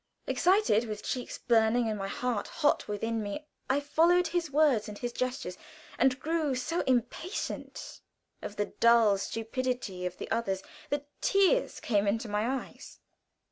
Excited, with cheeks burning and my heart hot within me, I followed his words and his gestures, and grew so impatient of the dull stupidity of the others that tears came to my eyes.